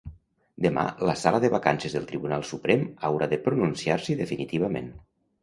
Demà la sala de vacances del Tribunal Suprem haurà de pronunciar-s’hi definitivament.